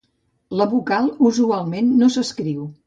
La vocal usualment no s'escriu.